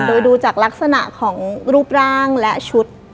โดยดูจากลักษณะของรูปร่างและชุด